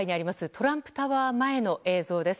トランプタワー前の映像です。